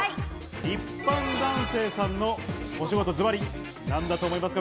一般男性さんのお仕事はズバリなんだと思いますか？